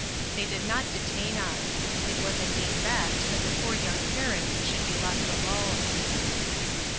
They did not detain us: it was indeed best that the poor young parents should be left alone.